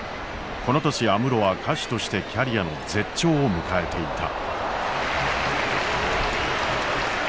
この年安室は歌手としてキャリアの絶頂を迎えていた。